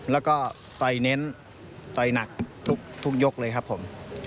แล้วก็ต่อยเน้นต่อยหนักทุกยกเลยครับผม